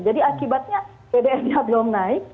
jadi akibatnya bbm nya belum naik